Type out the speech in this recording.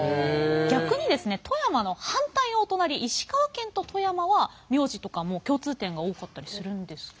逆にですね富山の反対のお隣石川県と富山は名字とかも共通点が多かったりするんですか？